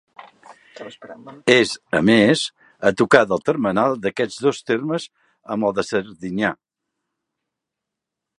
És, a més, a tocar del termenal d'aquests dos termes amb el de Serdinyà.